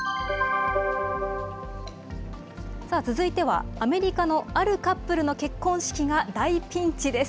さあ、続いては、アメリカのあるカップルの結婚式が大ピンチです。